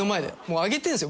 あげてるんですよ